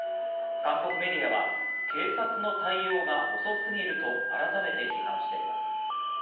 韓国メディアは警察の対応が遅すぎると改めて批判しています。